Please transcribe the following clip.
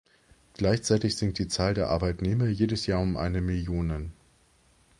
Gleichzeitig sinkt die Zahl der Arbeitnehmer jedes Jahr um eine Millionen.